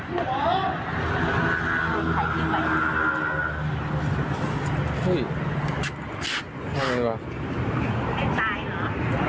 นึกจักรหรอ